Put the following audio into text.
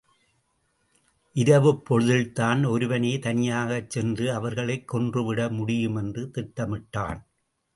இரவுப் பொழுதில் தான் ஒருவனே தனியாகச் சென்று அவர்களைக் கொன்றுவிட முடியும் என்று திட்டமிட்டான்.